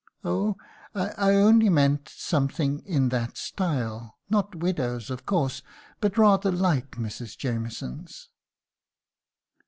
"'Oh? I only meant something in that style; not widows', of course, but rather like Mrs. Jamieson's.'"